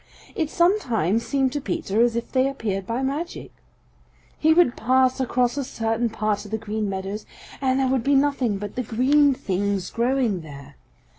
It sometimes seemed to Peter as if they appeared by magic. He would pass across a certain part of the Green Meadows, and there would be nothing but the green things growing there.